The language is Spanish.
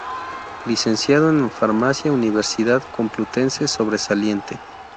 Licenciado en Farmacia, Universidad Complutense, Sobresaliente.